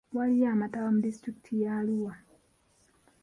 Waliyo amataba mu disitulikiti ya Arua.